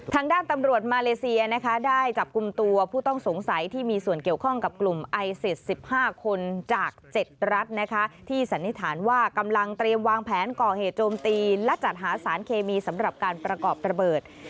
ทางด้านตำรวจมาเลเซียนะคะได้จับกลุ่มตัวผู้ต้องสงสัยที่มีส่วนเกี่ยวข้องกับกลุ่มไอซิส๑๕คนจาก๗รัฐนะคะที่สันนิษฐานว่ากำลังเตรียมวางแผนก่อเหตุโจมตีและจัดหาสารเคมีสำหรับการประกอบระเบิด